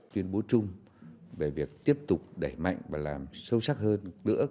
tuyên bố chung về việc tiếp tục đẩy mạnh và làm sâu sắc hơn nữa